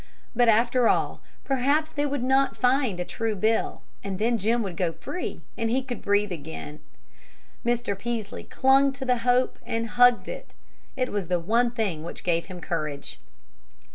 But, after all, perhaps they would not find a true bill, and then Jim would go free, and he could breathe again. Mr. Peaslee clung to the hope, and hugged it. It was the one thing which gave him courage.